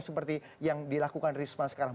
seperti yang dilakukan risma sekarang